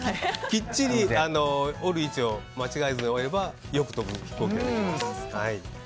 きっちり折る位置を間違えず折ればよく飛ぶ飛行機ができます。